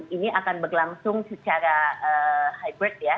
ini akan berlangsung secara hybrid ya